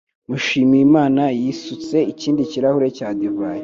Mushimiyimana yisutse ikindi kirahure cya divayi.